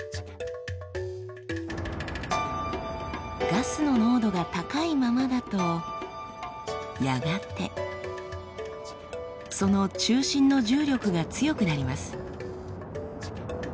ガスの濃度が高いままだとやがてその中心の重力が強くなります。